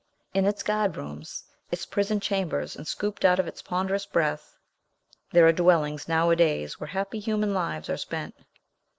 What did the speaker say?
In its guard rooms, its prison chambers, and scooped out of its ponderous breadth, there are dwellings nowadays where happy human lives are spent.